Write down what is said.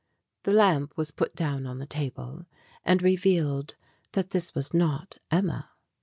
The lamp was put down on the table, and revealed that this was not Emma.